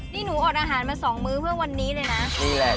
นี่หนูอดอาหารมาสองมื้อเมื่อวันนี้เลยนะนี่แหละ